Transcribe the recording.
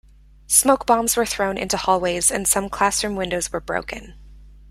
Smoke bombs were thrown into hallways and some classroom windows were broken.